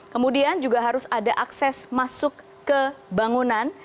kemudian juga harus ada akses masuk ke bangunan